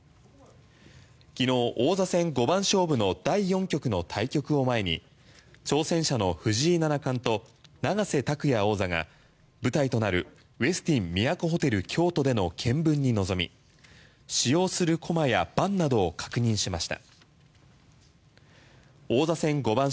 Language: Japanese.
昨日、王座戦５番勝負の第４局の対局を前に挑戦者の藤井七冠と永瀬拓矢王座が舞台となるウェスティン都ホテル京都での検分に臨み使用する駒や盤などを確認しました。